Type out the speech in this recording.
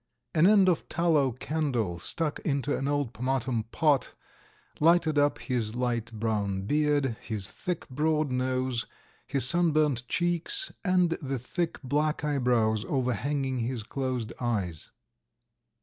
An end of tallow candle, stuck into an old pomatum pot, lighted up his light brown beard, his thick, broad nose, his sunburnt cheeks, and the thick, black eyebrows overhanging his closed eyes.